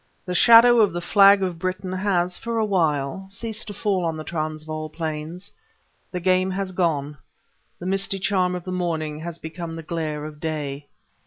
The shadow of the flag of Britain has, for a while, ceased to fall on the Transvaal plains; the game has gone; the misty charm of the morning has become the glare of day.